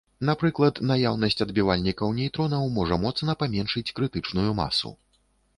Напрыклад, наяўнасць адбівальнікаў нейтронаў можа моцна паменшыць крытычную масу.